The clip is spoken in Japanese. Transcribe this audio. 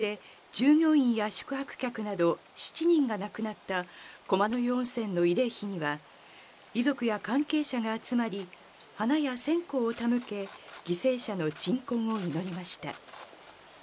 地震による土石流で、従業員や宿泊客など７人が亡くなった駒の湯温泉の慰霊碑には、遺族や関係者が集まり、花や線香を手向け、犠牲者の鎮魂を祈りました。